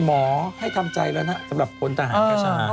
หมอให้ทำใจแล้วสำหรับคนต่างหากาชาฮาร์